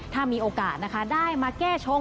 ถ้ามีโอกาสนะคะได้มาแก้ชง